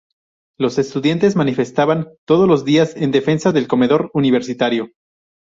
Los estudiantes manifestaban todos los días en defensa del comedor universitario.